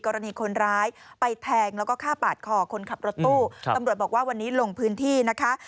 กรณีคนร้ายไปแทงแล้วก็ฆ่าปาดคอคนขับรถตู้ตำรวจบอกว่าวันนี้ลงพื้นที่นะคะ